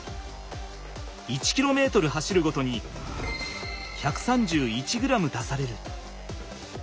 １ｋｍ走るごとに１３１ｇ出される。